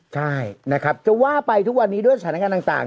ใช่นะครับจะว่าไปทุกวันนี้ด้วยสถานการณ์ต่าง